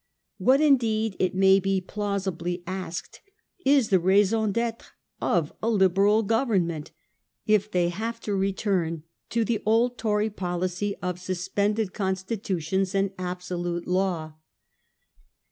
What, indeed, it may be plausibly asked, is the raison d'etre of a Liberal Government if they have to return to the old Tory policy of suspended constitutions and 1839. THE JAMAICA PLANTERS. 129 absolute law